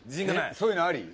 そういうのあり？